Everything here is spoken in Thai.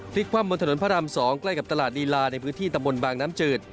คว่ำบนถนนพระราม๒ใกล้กับตลาดลีลาในพื้นที่ตำบลบางน้ำจืด